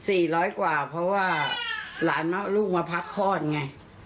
ก็เสีย๔๐๐กว่าเพราะว่าลูกมาพักคลอดไง